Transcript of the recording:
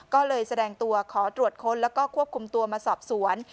ก็เลยแสดงตัวขอตรวจค้นแล้วก็ควบคุมตัวมาสอบสวน